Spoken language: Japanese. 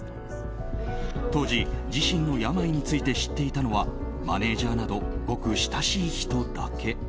当時、自身の病について知っていたのはマネジャーなどごく親しい人だけ。